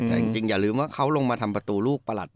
แต่จริงอย่าลืมว่าเขาลงมาทำประตูลูกประหลัด